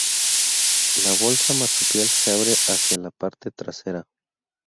La bolsa marsupial se abre hacia la parte trasera.